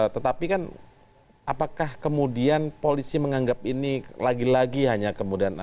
tetapi kan apakah kemudian polisi menganggap ini lagi lagi hanya kemudian